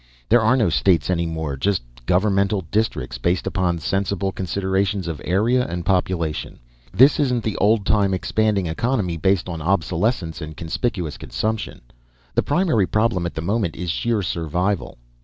"There are no states any more; just governmental districts. Based upon sensible considerations of area and population. This isn't the old time expanding economy based on obsolescence and conspicuous consumption. The primary problem at the moment is sheer survival.